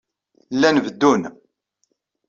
Llan beddun.